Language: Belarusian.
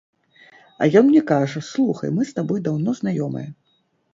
А ён мне кажа, слухай, мы з табой даўно знаёмыя.